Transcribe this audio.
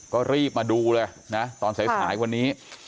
ก็รีบมาดูเลยนะตอนสายวันนี้